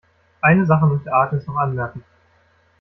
Eine Sache möchte Agnes noch anmerken.